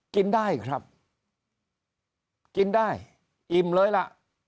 กินได้ครับกินได้อิ่มเลยล่ะ